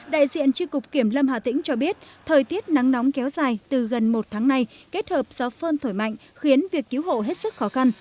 đại diện tri cục kiểm lâm hà tĩnh cho biết thời tiết nắng nóng kéo dài từ gần một tháng nay kết hợp gió phơn thổi mạnh khiến việc cứu hộ hết sức khó khăn